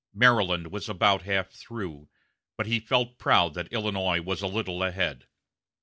Maryland was about half through, but he felt proud that Illinois was a little ahead.